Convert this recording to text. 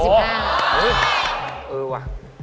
๗๕บาท